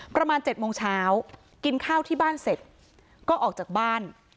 ประมาณ๗โมงเช้ากินข้าวที่บ้านเสร็จก็ออกจากบ้าน